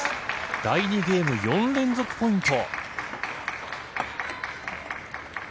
第２ゲーム４連続ポイント。